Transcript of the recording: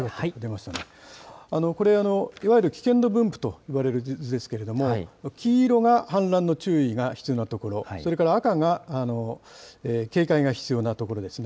これ、いわゆる危険度分布といわれる図ですけれども、黄色が氾濫の注意が必要な所、それから赤が警戒が必要な所ですね。